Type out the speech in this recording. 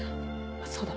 そうだ。